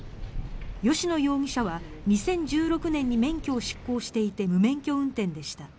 吉野容疑者は２０１６年に免許を失効していて無免許運転でした。